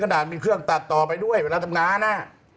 ขนาดมีเครื่องตัดต่อไปด้วยเวลาทำงาน